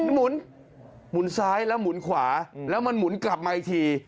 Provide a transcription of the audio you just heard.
หมุนหมุนซ้ายแล้วหมุนขวาแล้วมันหมุนกลับมาอีกที